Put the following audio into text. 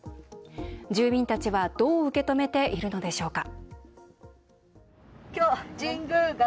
住民たちはどう受け止めているのでしょうか。